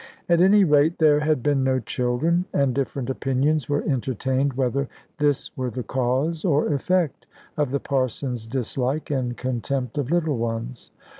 At any rate there had been no children; and different opinions were entertained whether this were the cause or effect of the Parson's dislike and contempt of little ones.